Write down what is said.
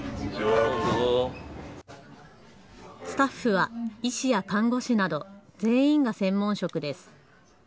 スタッフは医師や看護師など全員が専門職です。